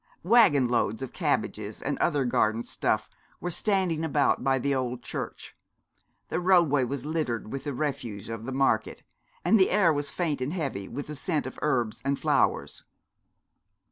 Waggon loads of cabbages and other garden stuff were standing about by the old church; the roadway was littered with the refuse of the market; and the air was faint and heavy with the scent of herbs and flowers.